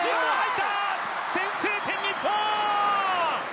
先制点、日本！